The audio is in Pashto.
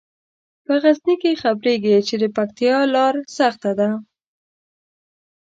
په غزني کې خبریږي چې د پکتیا لیاره سخته ده.